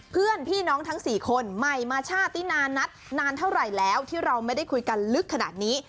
เพื่อนพี่น้องทั้ง๔คนใหม่มาชาติตินานัทนานเท่าไหร่แล้วที่เราไม่ได้คุยกันลึกขนาดนี้